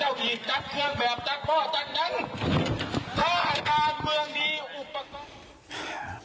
ถ้าอาการเมืองนี้อุปกรณ์